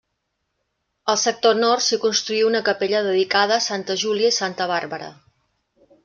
Al sector nord s'hi construí una capella dedicada a santa Júlia i santa Bàrbara.